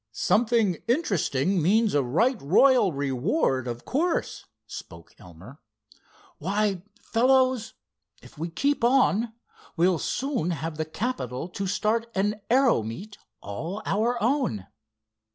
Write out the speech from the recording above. "'Something interesting' means a right royal reward, of course," spoke Elmer. "Why, fellows, if we keep on, we'll soon have the capital to start an aero meet all our own!"